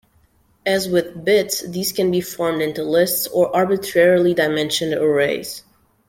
As with bits, these can be formed into lists or arbitrarily dimensioned arrays.